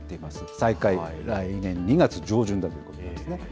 再開は来年２月上旬ということなんですね。